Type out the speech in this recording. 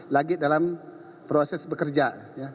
lagi dalam proses bekerja